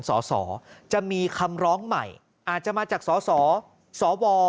สสจะมีคำร้องใหม่อาจจะมาจากสสสว